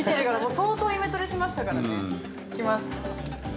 相当イメトレしましたからね。いきます。